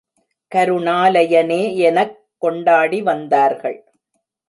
கருணாலயனே யெனக் கொண்டாடி வந்தார்கள்.